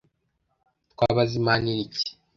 “Twabazimanira iki?